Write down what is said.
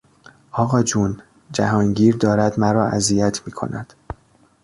آقاجون، جهانگیر دارد مرا اذیت میکند!